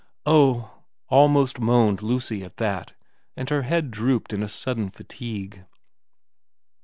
' Oh,' almost moaned Lucy at that, and her head drooped in a sudden fatigue.